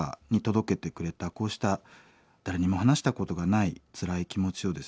こうした誰にも話したことがないつらい気持ちをですね